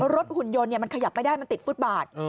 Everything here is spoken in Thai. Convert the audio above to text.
หุ่นยนต์มันขยับไม่ได้มันติดฟุตบาท